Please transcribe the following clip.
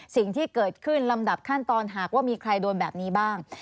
สิ่งที่เกิดขึ้นลำดับขั้นตอนหากว่ามีใครโดนแบบนี้บ้าง